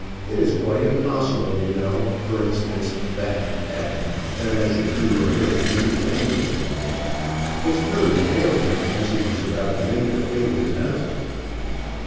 It is quite impossible, you know, for instance, that that that I should do a great many things." His courage failed him as he was about to make the fatal announcement.